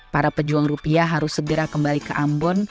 para pejuang rupiah harus segera kembali ke ambon